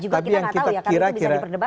tapi yang kita kira kira